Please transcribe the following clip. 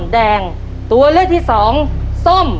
เร็วเร็วเร็ว